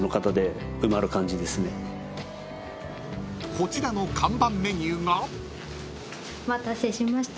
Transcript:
［こちらの看板メニューが］お待たせしました。